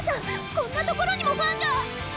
こんなところにもファンが！